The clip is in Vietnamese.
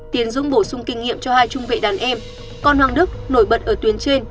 tiền dung bổ sung kinh nghiệm cho hai trung vệ đàn em con hoàng đức nổi bật ở tuyến trên